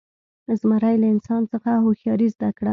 زمري له انسان څخه هوښیاري زده کړه.